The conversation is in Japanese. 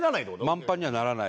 満杯にはならない。